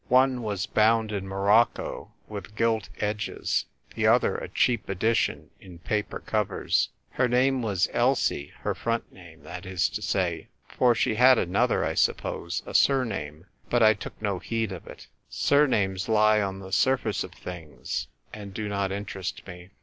One was bound in Morocco, with gilt edges ; the other, a cheap edition, in paper covers. Her name was Elsie, her front name, that is to say ; for she had another, I sup pose, a surname ; but I took no heed of it. Surnames lie on the surface of things, and do not interest me.